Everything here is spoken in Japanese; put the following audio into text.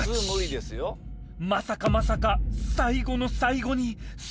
まさかまさか最後の最後に。